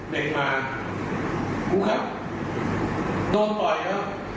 เด็กมาครูขับโดนต่อยเนอะ